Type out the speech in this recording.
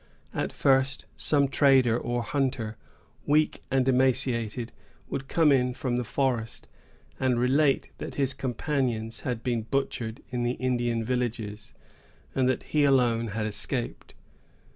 At first, some trader or hunter, weak and emaciated, would come in from the forest, and relate that his companions had been butchered in the Indian villages, and that he alone had escaped.